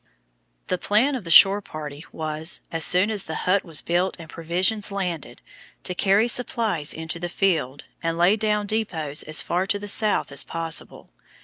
The plan of the shore party was, as soon as the hut was built and provisions landed, to carry supplies into the field, and lay down depots as far to the south as possible.